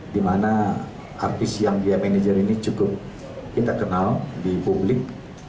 di mana artis yang dia manajer ini cukup kita kenal di publik